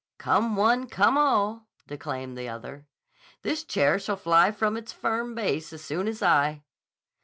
"Come one, come all," declaimed the other; "this chair shall fly from its firm base as soon as I."